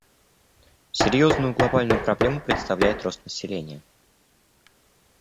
Серьезную глобальную проблему представляет рост населения.